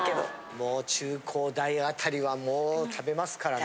もう中高大あたりはもう食べますからね。